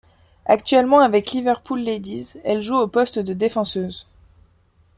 Actuellement avec Liverpool Ladies, elle joue au poste de défenseuse.